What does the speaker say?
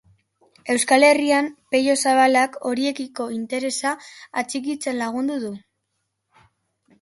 Euskal Herrian, Pello Zabalak horiekiko interesa atxikitzen lagundu du.